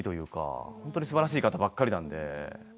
本当にすばらしい方ばかりなので。